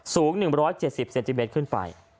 สูง๑๗๐เซนติเมตรขึ้นไป